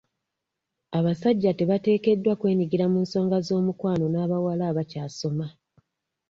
Abasajja tebateekeddwa kwenyigira mu nsonga z'omukwano n'abawala abakyasoma.